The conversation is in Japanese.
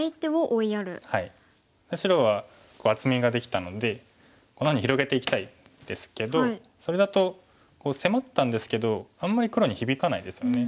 白は厚みができたのでこのように広げていきたいんですけどそれだと迫ったんですけどあんまり黒に響かないですよね。